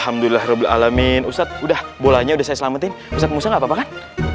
alhamdulillah rabbil alamin ustadz udah bolanya udah saya selamatin bisa pengusaha gak apa apa kan